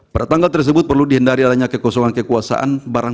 pada tanggal tersebut perlu dihindari adanya kekosongan kekuasaan